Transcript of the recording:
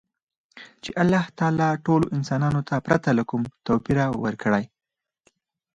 چـې اللـه تعـالا ټـولـو انسـانـانـو تـه ،پـرتـه لـه کـوم تـوپـيره ورکـړى.